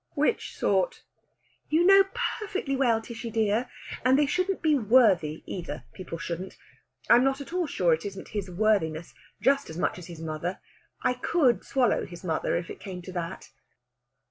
"Which sort?" "You know perfectly well, Tishy dear! And they shouldn't be worthy, either, people shouldn't. I'm not at all sure it isn't his worthiness, just as much as his mother. I could swallow his mother, if it came to that!"